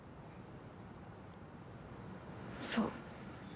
そう。